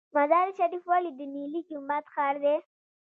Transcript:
مزار شریف ولې د نیلي جومات ښار دی؟